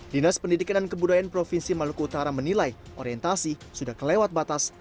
dinas pendidikan dan kebudayaan provinsi maluku utara menilai orientasi sudah kelewat batas